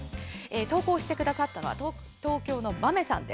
投稿してくださったのは東京都のまめさん。